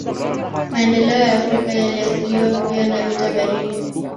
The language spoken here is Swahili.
Maendeleo ya Afrika yaliathiriwa pia na vita baridi